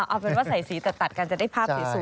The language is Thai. เอาเป็นว่าใส่สีตัดกันจะได้ภาพสวย